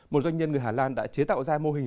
một doanh nhân người hà lan đã chế tạo ra mô hình